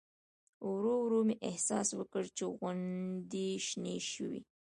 ورو ورو مې احساس وکړ چې غونډۍ شنې شوې.